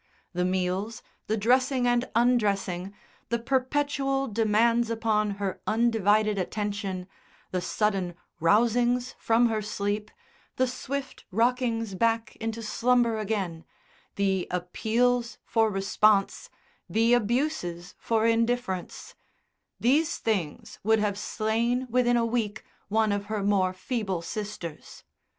The meals, the dressing and undressing, the perpetual demands upon her undivided attention, the sudden rousings from her sleep, the swift rockings back into slumber again, the appeals for response, the abuses for indifference, these things would have slain within a week one of her more feeble sisters.